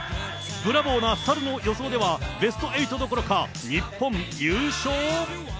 ブラボーな猿の予想では、ベスト８どころか、日本優勝？